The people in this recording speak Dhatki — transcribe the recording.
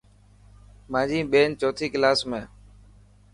مانجي ٻين چوتي ڪلاس ۾.